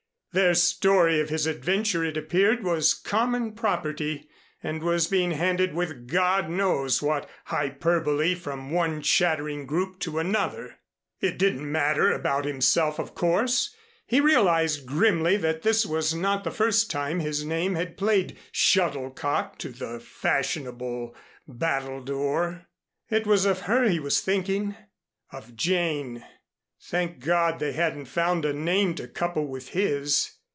Their story of his adventure, it appeared, was common property, and was being handed with God knows what hyperbole from one chattering group to another. It didn't matter about himself, of course. He realized grimly that this was not the first time his name had played shuttlecock to the fashionable battledore. It was of her he was thinking of Jane. Thank God, they hadn't found a name to couple with his.